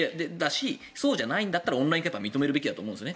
そうじゃないんだったらオンライン化を認めるべきだと思うんですね。